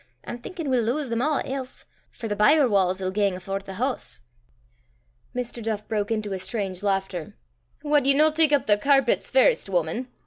I'm thinkin' we'll lowse them a' else; for the byre wa's 'll gang afore the hoose." Mr. Duff broke into a strange laughter. "Wad ye no tak up the carpets first, wuman?"